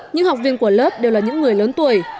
những học viên của lớp đều là những người lớn tuổi